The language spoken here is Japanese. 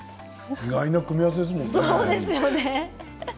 意外な組み合わせですもんね。